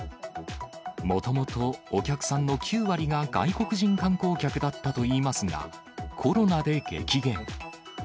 もともと、お客さんの９割が外国人観光客だったといいますが、コロナで激減。